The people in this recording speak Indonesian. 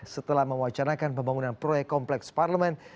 setelah mewacanakan pembangunan proyek kompleks parlemen